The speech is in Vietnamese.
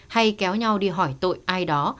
hay kéo nhau đi hỏi tội ai đó